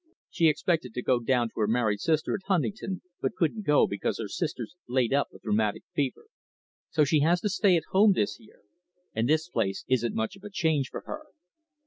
She expected to go down to her married sister at Huntingdon, but couldn't go because her sister's laid up with rheumatic fever. So she has to stay at home this year. And this place isn't much of a change for her."